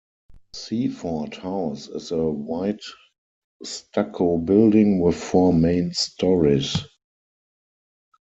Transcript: Seaford House is a white stucco building with four main stories.